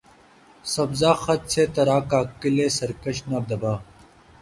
سبزہٴ خط سے ترا کاکلِ سرکش نہ دبا